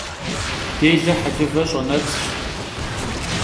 Dêle helıve ş'enets'ş.